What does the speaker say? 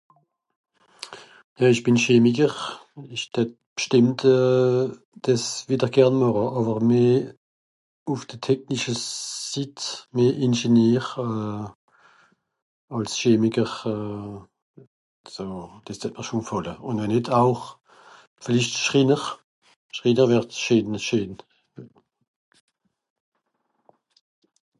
Ja ìch bìn Chemiker, ìch datt bschtìmmt euh... dìs wìdder gern màche, àwer meh ùff de technische Sitt, meh Ingenier euh... àls Chemiker euh... dìs datt mr schon gfàlle, ùn wenn nìt auch... vìllicht Schrìnner, Schrìnner wärd scheen euh... scheen.